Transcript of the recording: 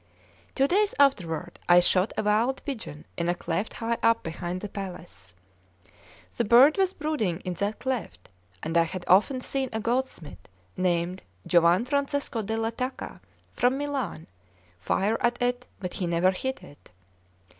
Two days afterwards I shot a wild pigeon in a cleft high up behind the palace. The bird was brooding in that cleft, and I had often seen a goldsmith named Giovan Francesco della Tacca, from Milan, fire at it; but he never hit it.